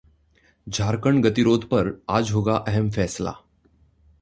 झारखंड गतिरोध पर आज होगा अहम फैसला